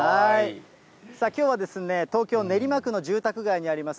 きょうは東京・練馬区の住宅街にあります